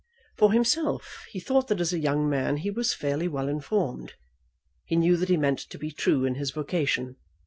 For himself, he thought that as a young man he was fairly well informed. He knew that he meant to be true in his vocation.